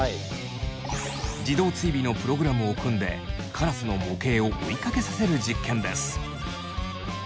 自動追尾のプログラムを組んでカラスの模型を追いかけさせる実験です。